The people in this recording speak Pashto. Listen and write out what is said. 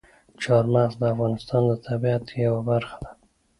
چار مغز د افغانستان د طبیعت یوه برخه ده.